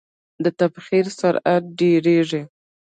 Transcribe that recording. د تبخیر سرعت ډیریږي.